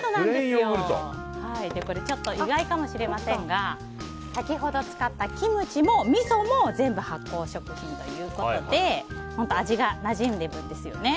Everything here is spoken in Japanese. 意外かもしれませんが先ほど使ったキムチも、みそもみそも全部発酵食品ということで本当、味がなじんでいるんですね。